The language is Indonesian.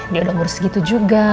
dia udah ngurus segitu juga